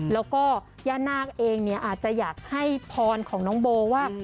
แล้วก็ย่านาคเองเนี่ยอาจจะอยากให้พรของน้องโบว่า